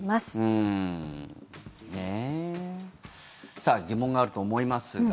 さあ、疑問があると思いますが。